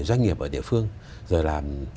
doanh nghiệp ở địa phương rồi là